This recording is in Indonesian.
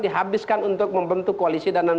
dihabiskan untuk membentuk koalisi dan